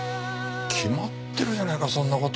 決まってるじゃないかそんな事。